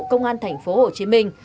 công an thành phố hồ chí minh